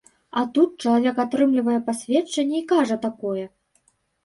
А тут чалавек атрымлівае пасведчанне і кажа такое!